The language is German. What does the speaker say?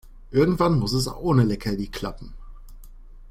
Irgendwann muss es auch ohne Leckerli klappen.